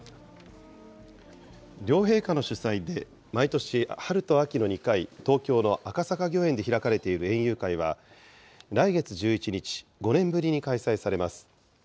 両陛下の主催で毎年春と秋の２回、東京の赤坂御苑で開かれている園遊会は、来月１１日、５年ぶりに開催されます。